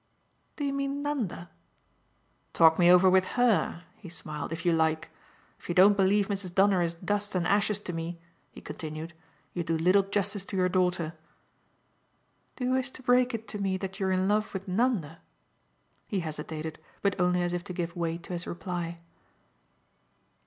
"Do you mean Nanda?" "Talk me over with HER!" he smiled, "if you like. If you don't believe Mrs. Donner is dust and ashes to me," he continued, "you do little justice to your daughter." "Do you wish to break it to me that you're in love with Nanda?" He hesitated, but only as if to give weight to his reply.